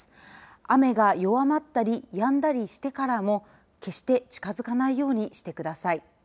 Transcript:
雨が弱まったりやんだりしてからも決して近づかないようにしてください。